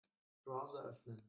Browser öffnen.